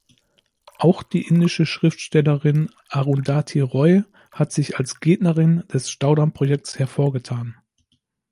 Auch die indische Schriftstellerin Arundhati Roy hat sich als Gegnerin des Staudamm-Projekts hervorgetan.